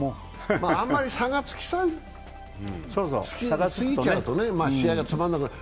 あまり差がつきすぎちゃうと試合がつまらなくなる。